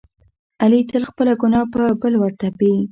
علي تل خپله ګناه په بل ورتپي.